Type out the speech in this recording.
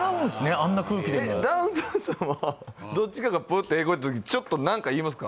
あんな空気でもダウンタウンさんはどっちかがプッて屁こいた時ちょっと何か言いますか？